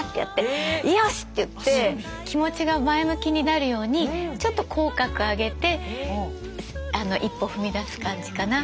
気持ちが前向きになるようにちょっと口角上げてあの一歩踏み出す感じかな。